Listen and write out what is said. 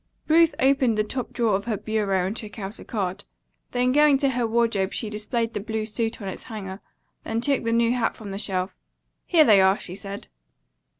Ruth opened the top drawer of her bureau and took out a card. Then going to her wardrobe she displayed the blue suit on its hanger, then took the new hat from the shelf. "Here they are," she said.